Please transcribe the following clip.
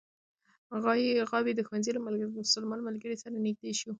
غابي د ښوونځي له مسلمان ملګري سره نژدې شو.